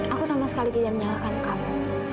aku sama sekali tidak menyalahkan kamu